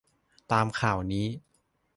ตามข่าวนี้